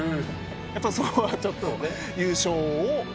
やっぱりそこはちょっと優勝を。